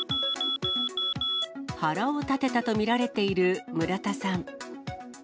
腹を立てたと見られている村田さん。